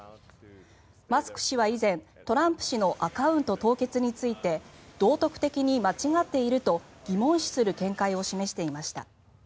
マスク氏は以前、トランプ氏のアカウント凍結について道徳的に間違っていると疑問視する見解を示していました。